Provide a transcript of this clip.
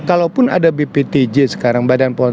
kalaupun ada bptj sekarang